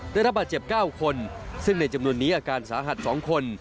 ได้รับบาดเจ็บ๙คนซึ่งในจำนวนนี้อาการสาหัส๒คน